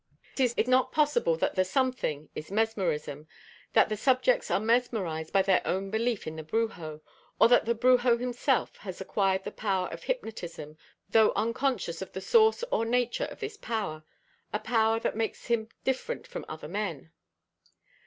Is it not possible that the something, is mesmerism, that the subjects are mesmerized by their own belief in the brujo, or that the brujo himself has acquired the power of hypnotism though unconscious of the source or nature of this power, a "power" that makes him different from other men?